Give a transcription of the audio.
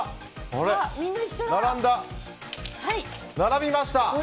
並びました！